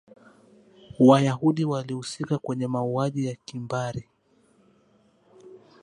wayahudi walihusika kwenye mauaji ya kimbari